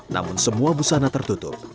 namun semua busana tertutup